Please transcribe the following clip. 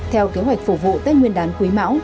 theo kế hoạch phục vụ tết nguyên đán quý mão